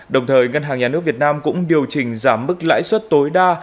đồng thời ngân hàng nhà nước việt nam cũng điều chỉnh giảm mức lãi suất tối đa